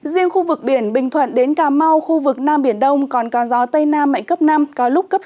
riêng khu vực biển bình thuận đến cà mau khu vực nam biển đông còn có gió tây nam mạnh cấp năm có lúc cấp sáu